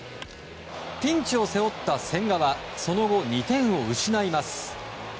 ピンチを背負った千賀はその後、２点を失います。